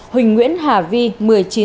huỳnh nguyễn hà vi một mươi chín tuổi